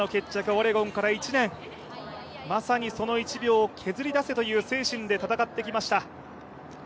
オレゴンから１年、まさに「その１秒を削り出せ」という精神で戦ってきました。